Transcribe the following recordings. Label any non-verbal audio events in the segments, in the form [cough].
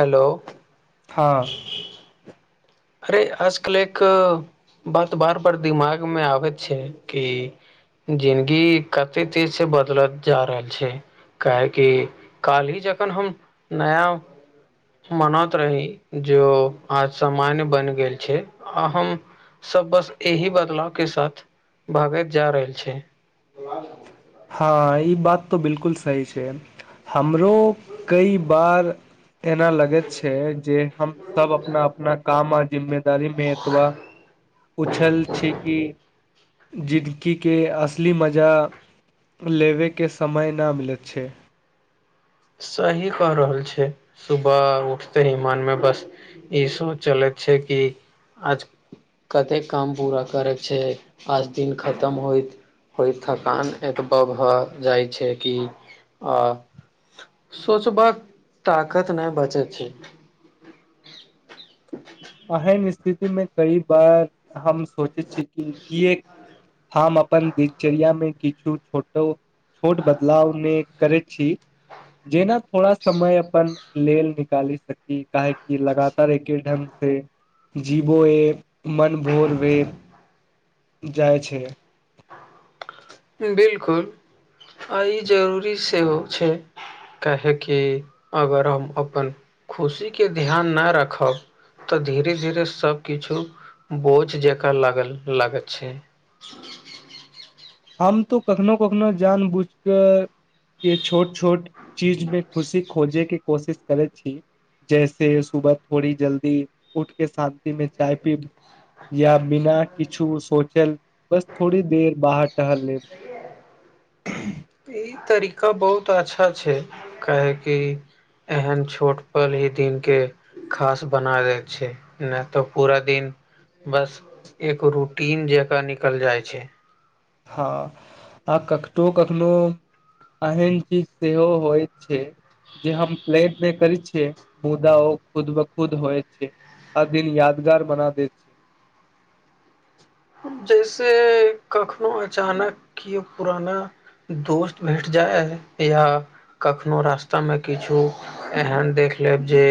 Hello हा अरे आजकल एक बात बार बार दिमाग मे आबैत छै की जिन्दगी कते तेज से बदलत जा रहल छै। काहे कि काल ही जखन हम नय मनैत रही जो आज सामान्य बनि गेल छै हम सभ बस एहि बदलाव के साथ भागैत जा रहल छै। हँ ई बात तऽ बिल्कूल सही छै हमरो कई बार एना लगे छै जे हम सभ अपना अपना काम आ जिम्मेदारी मे दुआ उलझल छै कि जिन्दगी के असली मजा लेबैके समय नहि मिलैत छै। सही कह रहल छै सुबह उठते मन मे बश ईस चलैत छै कि आज। कतेक काम पूरा करयके छै आज दिन खतम होइत होइ थकान एतबा भए जाइ छै कि सोचबाका ताकत नहि बचे छै। एहन स्थिति मे कई बार हम सोचे छिय कि एक हम अपन दिनचर्या मे किछु छोटो। छोट बदलाव नहि करैत छी। जेना थोड़ा समय अपन लेल निकाली सकी काहेकि लगातार एके ढंग के जीवो मन भर गेल जाइ छै। बिल्कुल आई जरूरी सेहो छै। काह कि अगर हम अपन खुशी के ध्यान नहि रखब तऽ धीरे धीरे सभकिछु बोझ जका लागल लागै छै। हम तो कखनो कखनो जान बूझ कऽ के छोट छोट चीजमे खुशी खोजे के कोशिश करैत छी। जैसे सुबह थोड़ी जल्दी उठ केँ शांति में चाय पीब या बिना किछु सोचल बस थोड़ी देर बाहर टहल लेब। ई तरीका बहुत अच्छा छै काहे कि एहन छोट पल ही दिन केँ खास बना दै छै नै तऽ पूरा दिन बस एक रूटीन जेका निकल जाय छै। हँ आ कटो कखनो एहन चीज सेहो होइत छै। जे हम प्लेड बैक कर छियै मुद्दा ओ खुद ब खुद होइ छै। आ दिन यादगार बना दै छै। जैसे कखनो अचानक केओ पुराना दोस्त भेट जाय या कखनो रास्ता में किछु एहन देख लेब जे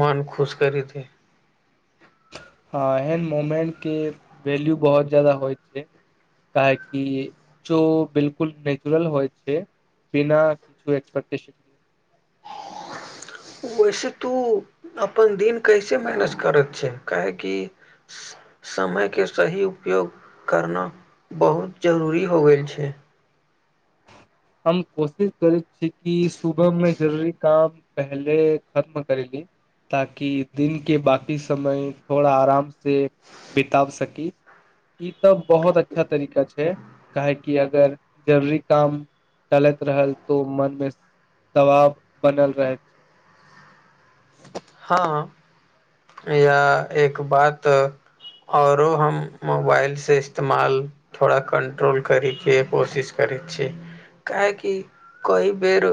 मन खुश करी देत। हँ एहन मोमेंट केँ वल्यू बहुत ज्यदा होइ छै। काहकि जो बिल्कुल नेचुरल होइ छै। बिना किछु एक्सपटेशन वैसे तू अपन दिन कैसे मैनस करैत छै काह कि समय केँ सही उपयोग करना बहुत जरूरी हो गेल छै। हम कोशिश करै छी कि सुबह में जरूरी काम पहिले खत्म करे ली। ताकि दिन केँ बाकी समय थोड़ा आराम से बिताब सकी। ई तऽ बहुत अच्छा तरीका छै काह कि अगर जरूरी काम टलैत रहल तो मन मे [inaudible] दबाब बनल रहैत। छै हँ [inaudible] या एक बात औरो हम मोबाइल से इस्तेमाल थोड़ा कंट्रोल करी केँ कोशिश करै छी काहै की कई बेर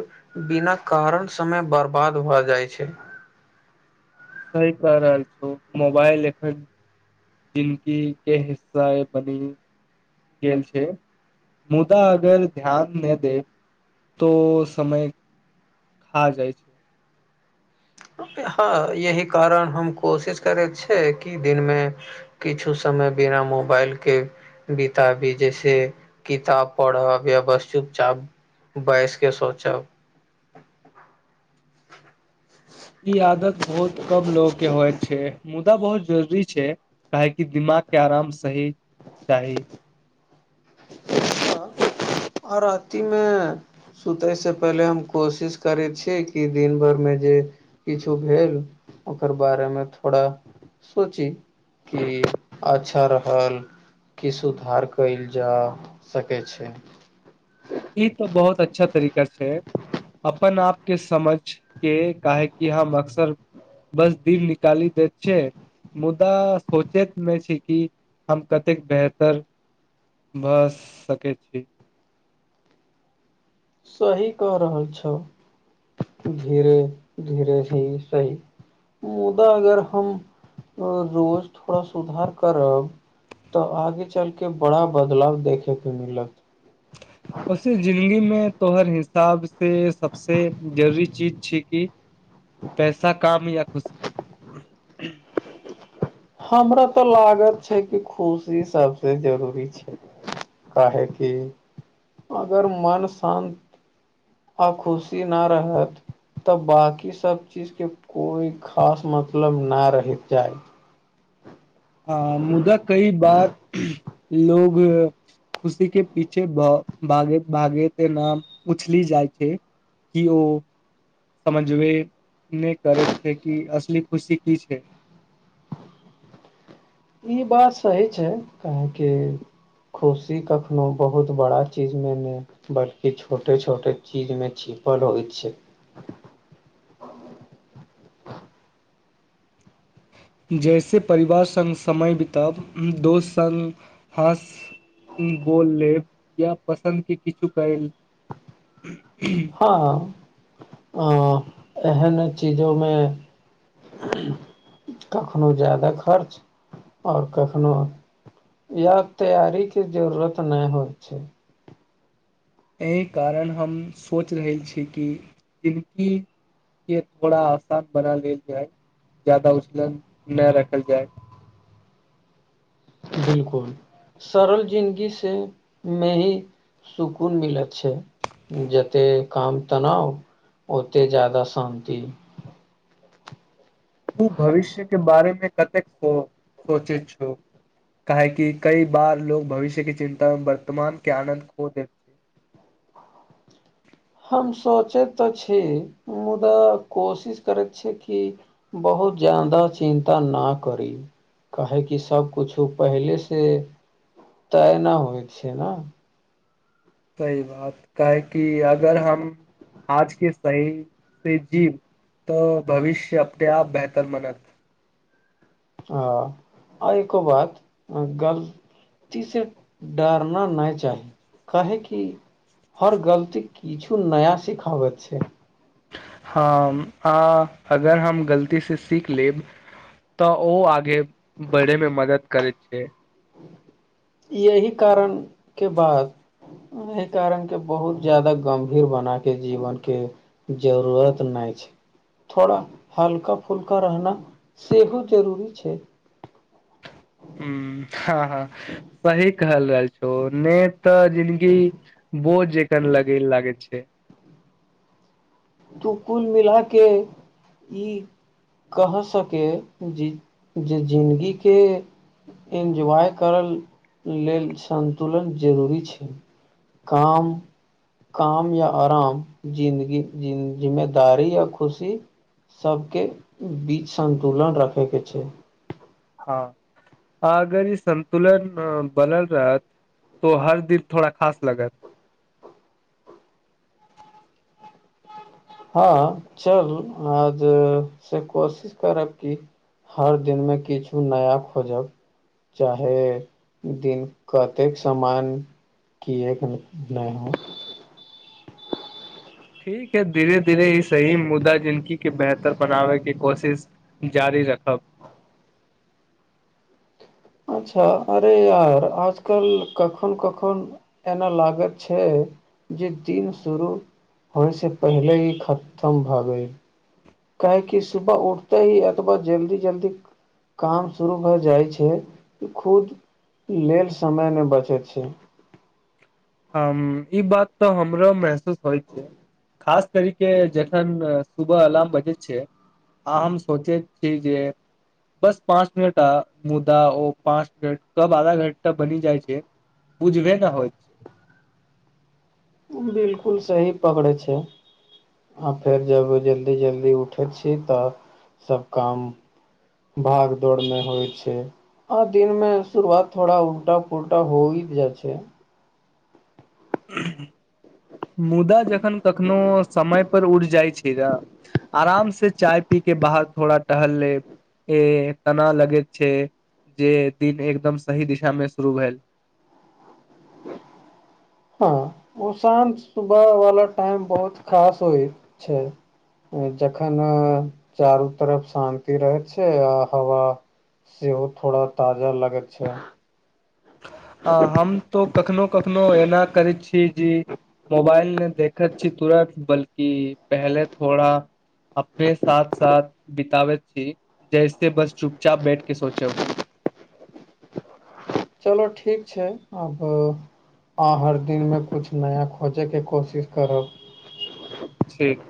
बिना कारण समय बर्बाद भए जाइ छै। सही कह रहल छौ मोबाइल एखन जिनकी केँ हिस्सा बनी। गेल छै [inaudible] मुदा अगर ध्यान नै दैत तो समय [inaudible] खा जाइ छै। हँ यही कारण हम कोशिश करैत छियै कि दिन में किछु समय बिना मोबाइल केँ बिताबी जे से किताब पढ़ब या बस चुपचाप बयस केँ सोचब। ई आदत बहुत कम लोक केँ होइत छै। मुद्दा बहुत जरूरी छै काहेकि दिमाग केँ आराम सही चाही। [unintelligible] और अती में सुतयसँ पहिले हम कोशिश करै छियै कि दिन भरि मे जे किछु भेल ओकर बारेमे थोड़ा सोची की अच्छा रहल। की सुधार कयल जा सकै छै। ई तो बहुत अच्छा तरीका छै। अपन आप केँ समझ केँ काहे की हम अक्सर बस दीप निकाली देत छै। मुदा सोचैत नेय छै कि हम कतेक बेहतर भऽ सकै छी। सही कह रहल छौ धीरे धीरे ही सही मुदा अगर हम रोज थोड़ा सुधार करब तऽ आगे चलके बड़ा बदलाव देखेके मिलत जे जिंन्दगी में तो हर हिसाब से सबस जरूरी चीज छै कि पैसा काम या खुशी हमरा तऽ लागत छै कि खुशी सबसे जरूरी छै काहे कि अगर मन शान्त आ खुशी ना रहत तऽ बाकी सब चीज के कोइ खास मतलब ना रहि जायत हँ मुदा कई बार लोग खुशी के पीछे भ भागैत भागैत तेना उछली जाइ छै कि ओ समझबे नहि करे छै कि असली खुशी की छै ई बात सही छै अहाँके खुशी कखनो बहुत बड़ा चीजमे नै बल्कि छोटे छोटे चीज में छिपल रहय छै जैसे परिवार सङ्ग समय बिताउ दोस्त सङ्ग हँस बोल लेब या पसन्द के किछु कैल हँ हँ एहनो चीजोमे कखनहु ज्यादा खर्च आओर कखनहु या तैयारी के जरूरत नहि होय छै एहि कारण हम सोचि रहल छी कि [unintelligible] के थोड़ा आसान बना लेल जाय ज्यादा उछलन नहि रखल जाय बिल्कुल सरल जिन्दगी से मे ही सुकून मिलैत छै जते कम तनाव ओते ज्यादा शान्ति तू भविष्य के बारेमे कतेको सोचै छो काहे कि कई बार लोग भविष्यके चिन्ता में वर्तमान के आनन्द खो देल हम सोचैत तऽ छी मुदा कोशिश करैत छी कि बहुत ज्यादा चिन्ता ना करी काहे कि सबकुछु पहिले से तय ना होइ छै नऽ सही बात काहे कि अगर हम आजके सही से जीव तऽ भविष्य अपने आप बेहतर बनत हाँ आय कऽ बाद गल से डरना नहि चाही काहे कि हर गलती किछु नया सिखाबैत छै हम हाँ अगर हम गलतीसँ सीख लेब तऽ ओहो आगे बढ़य मे मदद करैत छै ई यही कारण के बाद एहि कारण के बहुत ज्यादा गम्भीर बना देल जीवन के जरूरत नहि छै थोड़ा हल्का फुल्का रहना सेहो जरूरी छै। हम्म हँ हँ सही कहल रहल छै ने। त। ज़िन्दंगी बोझ जेकन लगे लागे छै। तू कुल मिला के ई। कह सके जे ज ज़िंदंगी के। एन्जॉय करय लेल संन्तुलन जरूरी छै। काम काम या आराम जिन्दगी। ज जिमेदारी य खुशी। सभ के बीच संन्तुलन रखे के छै। हँ अगर ई संन्तुलन बनल रहत। तो हर दिन थोड़ा खास लगत। हँ चलू आज से कोशिश करब की। हर दिन मे किछु नया खोजब। चाहे दिन कतेक समान। किए क ह। ठीक है धीरे धीरे ई। सही मुद्दा जिनकी के बेहतर बनाबेके कोशिश। जारी रखब। अच्छा अरे यार आजकल कखन कखन। एना लागत छै। जे दिन शुरू। होइसँ पहिले ई खतम भऽ गेल। काह कि सुबह उठते ही अथवा जल्दी जल्दी। काम शुरू भए जाय छै। खुद लेल समय ने बचैत छै। हम ई बात तऽ हमरो महसूस होइ छै। खास कर के जखन। सुबह अलार्म बजे छै। आ हम सोचे छी जे। बस पाँच मिनट आ मुदा ओ पाँच मिनट कब आधा घंटा बनि जाइ छै। बुझबे ने होइत। बिलकुल सही पकड़ै छै। आ फेर जब जल्दी जल्दी उठे छी तऽ सभ काम। भाग दौड़ नहि होइ छै। आ दिन में शुरुआत थोड़ा उल्टा पुलटा होइ जाइ छै। मुदा जखन कखनो समय पर उड़ जाइ छै। न। आराम से चाय पी। के बाहर थोड़ा टहल ले। ए तना लगैत छै। जे दिन एकदम सही दिशा मे शुरू भेल। हँ ओ शं। सुबह वाला टाइम बहुत खास होइ छै। जखन चारू तरफ शान्ति रहै छै। आ हवा। सेहो थोड़ा ताजा लगैत छै। आ हम तो कखनो कखनो एना करैत छीय जी। मोबाइल नहि देखैत छी। तुरत बल्कि पहले थोड़ा। अपने साथ साथ बितबैत छी। जैसे बस चुपचाप बैठ के सोचब। चलो ठीक छै। आब। आह हर दिनमे किछु नया खोजैके कोशिश करब। ठीक।